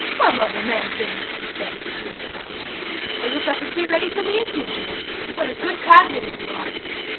'Well, Mother Manikin,' he said, as he came into the kitchen, 'a good cup of tea ready for me as usual! What a good, kind woman you are!'